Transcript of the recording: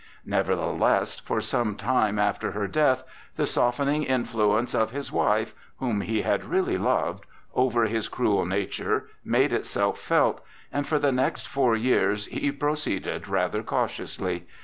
Nevertheless, for some time after her death the softening influence of his wife (whom he had really loved) over his cruel nature made itself felt, and for the next four years he proceeded rather cautiously.